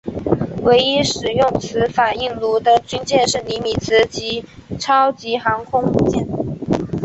唯一使用此反应炉的军舰是尼米兹级超级航空母舰。